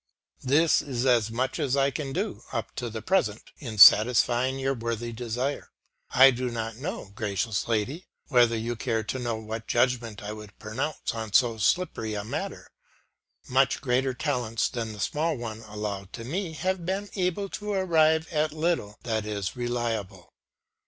" This is as much as I can do up to the present in satisfying your worthy desire. I do not know, gracious lady, whether you care to know what judgment I would pronounce on so slippery a matter. Much greater talents than the small one allowed to me have been able to arrive at little that is reliable.